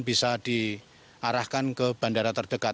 tidak pernah ribet malam lagi